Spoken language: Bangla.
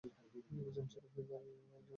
একজন ছিল ইহুদী আর অপরজন কুরাইশী।